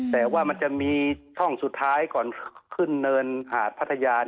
แต่ว่ามันจะมีช่องสุดท้ายก่อนขึ้นเนินหาดพัทยา